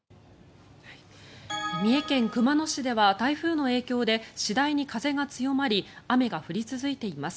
三重県熊野市では台風の影響で次第に風が強まり雨が降り続いています。